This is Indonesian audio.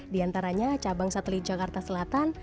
di antaranya cabang satelit jakarta selatan